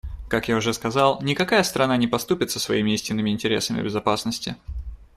Как я уже сказал, никакая страна не поступится своими истинными интересами безопасности.